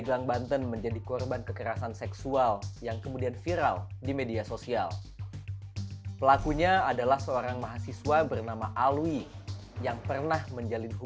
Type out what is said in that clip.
jangan ada kamera di antara hubungan intik itu